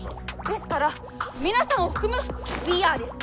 ですから皆さんを含む「ウィーアー」です。